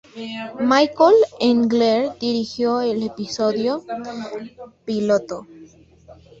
Michael Engler dirigió el episodio piloto.